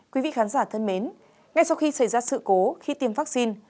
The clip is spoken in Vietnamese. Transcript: quý vị khán giả thân mến ngay sau khi xảy ra sự cố khi tiêm vaccine